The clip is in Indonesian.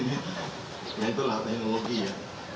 ya itulah teknologi ya